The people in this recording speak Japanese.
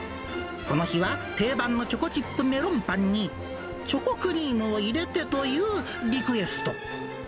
この日は、定番のチョコチップメロンパンに、チョコクリームを入れてというリクエスト。